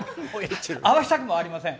合わしたくもありません